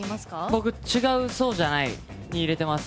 僕、「違う、そうじゃない」に入れています。